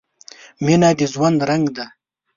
• مینه د ژوند رنګ دی.